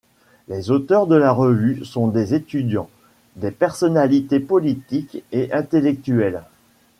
Les auteurs de la revue sont des étudiants, des personnalités politiques et intellectuelles.